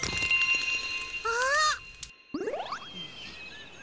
あっ！